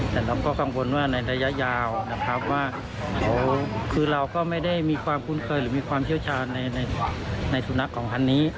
แต่เราก็กังวลว่าในระยะยาวนะครับว่าคือเราก็ไม่ได้มีความคุ้นเคยหรือมีความเชี่ยวชาญในสุนัขของพันนี้